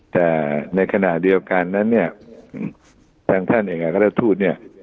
แต่ในขณะเดียวกันนั้นท่านเองคณะทูต